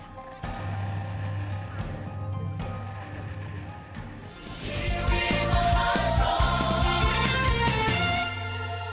โปรดติดตามตอนต่อไป